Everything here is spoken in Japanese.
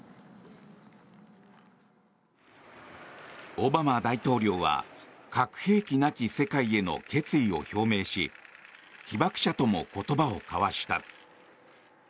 オバマ大統領は核兵器なき世界への決意を表明し被爆者とも言葉を交わした。